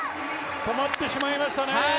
止まってしまいましたね。